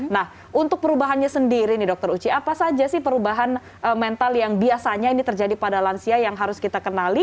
nah untuk perubahannya sendiri nih dokter uci apa saja sih perubahan mental yang biasanya ini terjadi pada lansia yang harus kita kenali